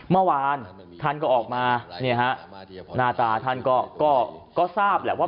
เมื่อวานท่านก็ออกมาเนี่ยฮะหน้าตาท่านก็ทราบแหละว่า